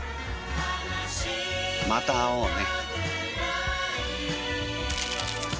また会おうね。